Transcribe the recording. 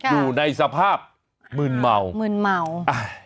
อยู่ในสภาพมืนเมามืนเมาอ่า